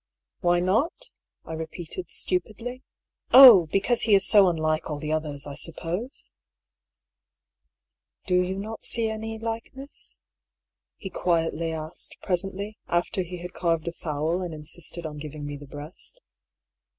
" Why not ?" I repeated, stupidly. " Oh ! because he is so unlike all the others, I suppose." EXTRACT PROM DIARY OP HUGH PAULL. 38 "Do you not see any likeness?" he quietly asked presently, after he had carved a fowl and insisted on giving me the breast.